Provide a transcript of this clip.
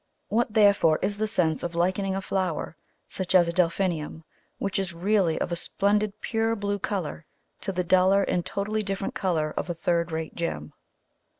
What, therefore, is the sense of likening a flower, such as a Delphinium, which is really of a splendid pure blue colour, to the duller and totally different colour of a third rate gem?